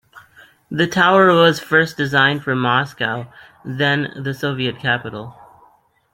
The tower was first designed for Moscow, then the Soviet capital.